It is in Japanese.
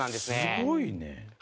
すごいね。